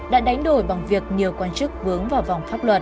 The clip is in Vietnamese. đã đánh đổi bằng việc nhiều quan chức vướng vào vòng pháp luật